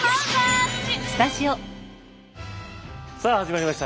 さあ始まりました。